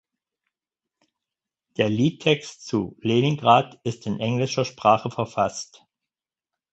Der Liedtext zu "Leningrad" ist in englischer Sprache verfasst.